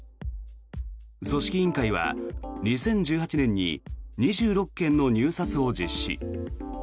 組織委員会は２０１８年に２６件の入札を実施。